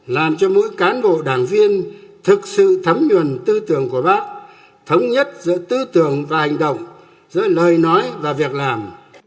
làm cho mỗi cán bộ đảng viên thực sự thấm nhuần tư tưởng của bác thống nhất giữa tư tưởng và hành động giữa lời nói và việc làm